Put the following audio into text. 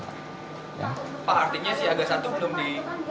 pak artinya si aga satu belum di